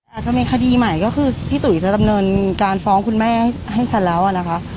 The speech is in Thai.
อาจจะมีคดีใหม่ก็คือพี่ตุ๋ยจะดำเนินการฟ้องคุณแม่ให้เสร็จแล้วนะคะ